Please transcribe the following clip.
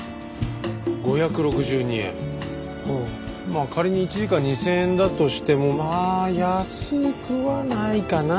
まあ仮に１時間２０００円だとしてもまあ安くはないかな。